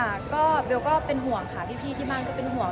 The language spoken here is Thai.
ค่ะก็เบลก็เป็นห่วงค่ะพี่ที่บ้านก็เป็นห่วง